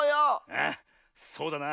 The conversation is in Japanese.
あっそうだな。